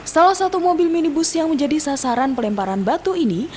salah satu mobil minibus yang menjadi sasaran pelemparan batu ini